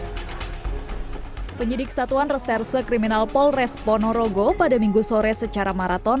hai penyidik satuan reserse kriminal polres ponorogo pada minggu sore secara maraton